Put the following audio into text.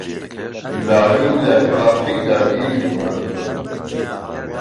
لاوین لە ترافیکدا گیری خواردووە.